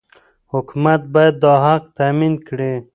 حکومت باید دا حق تامین کړي.